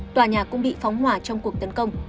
tòa nhà cũng bị phóng hỏa trong cuộc tấn công